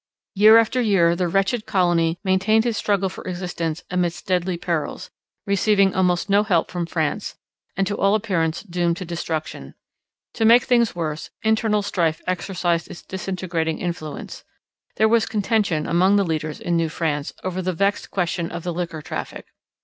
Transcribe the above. Year after year the wretched colony maintained its struggle for existence amidst deadly perils, receiving almost no help from France, and to all appearance doomed to destruction. To make things worse, internal strife exercised its disintegrating influence; there was contention among the leaders in New France over the vexed question of the liquor traffic.